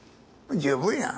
十分や。